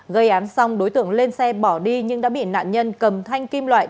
gây án xong đối tượng lên xe bỏ đi nhưng đã bị nạn nhân cầm thanh kim loại